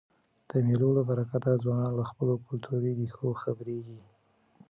د مېلو له برکته ځوانان له خپلو کلتوري ریښو خبريږي.